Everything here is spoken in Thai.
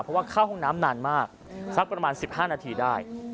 เพราะว่าเข้าห้องน้ำนานมากสักประมาณ๑๕นาทีได้